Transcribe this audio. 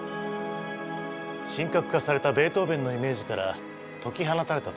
神格化されたベートーヴェンのイメージから解き放たれた時